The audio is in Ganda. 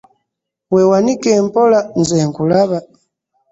Weewanike mpola nze nkulaba.